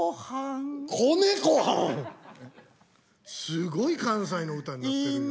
すごい関西の歌になってる。